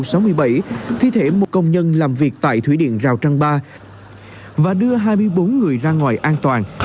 tại khu sáu mươi bảy thi thể một công nhân làm việc tại thủy điện rào trăng ba và đưa hai mươi bốn người ra ngoài an toàn